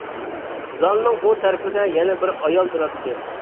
زالنىڭ ئۇ تەرىپىدە يەنە بىر ئايال تۇراتتى.